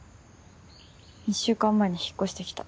１週間前に引っ越して来た。